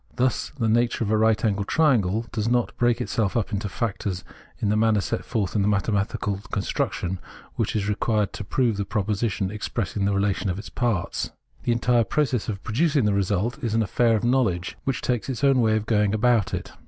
Thus, the nature of a right angled triangle does not break itself up into factors in the manner set forth in the mathematical construction which is required to prove the proposition expressing the relation of its parts. The entire process of producing the result is an affair of knowledge which takes its own way of going about it.